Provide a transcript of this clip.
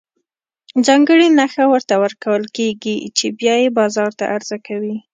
ځانګړې نښه ورته ورکول کېږي چې بیا یې بازار ته عرضه کوي.